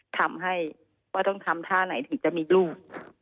ทำให้ว่าต้องทำท่าไหนถึงจะมีลูก